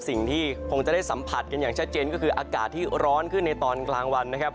สิ่งที่คงจะได้สัมผัสกันอย่างชัดเจนก็คืออากาศที่ร้อนขึ้นในตอนกลางวันนะครับ